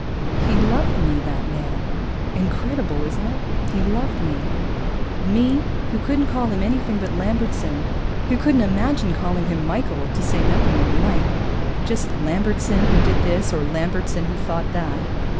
He loved me, that man. Incredible, isn't it? He loved me. Me, who couldn't call him anything but Lambertson, who couldn't imagine calling him Michael, to say nothing of Mike just Lambertson, who did this, or Lambertson who thought that.